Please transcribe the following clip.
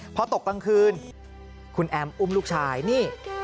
พอตกกลางคืนคุณแอมอุ้มลูกชายนี่